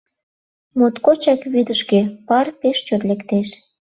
— Моткочак вӱдыжгӧ, пар пеш чот лектеш.